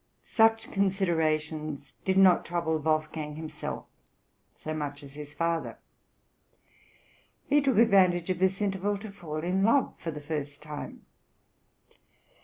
Such considerations did not trouble Wolfgang himself so much as his father; he took advantage of this interval to fall in love for the first time.